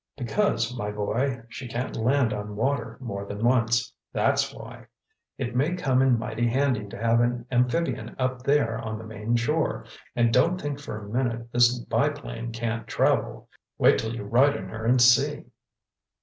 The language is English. "Because, my boy, she can't land on water more than once, that's why. It may come in mighty handy to have an amphibian up there on the Maine shore. And don't think for a minute this biplane can't travel. Wait till you ride in her and see."